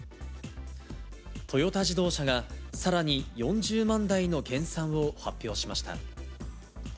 トヨタ自動車が、さらに４０万台の減産を発表しました。